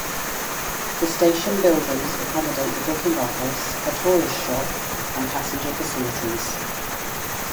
The station buildings accommodate the booking office, a tourist shop and passenger facilities.